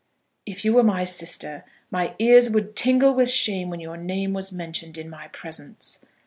"If you were my sister, my ears would tingle with shame when your name was mentioned in my presence."